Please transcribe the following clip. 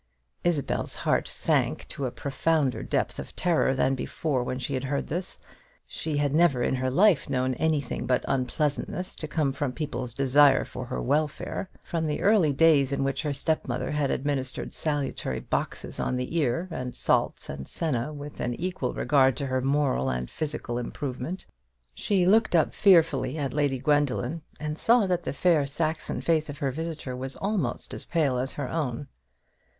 Isabel's heart sank to a profounder depth of terror than before when she heard this. She had never in her life known anything but unpleasantness to come from people's desire for her welfare: from the early days in which her step mother had administered salutary boxes on the ear, and salts and senna, with an equal regard to her moral and physical improvement. She looked up fearfully at Lady Gwendoline, and saw that the fair Saxon face of her visitor was almost as pale as her own.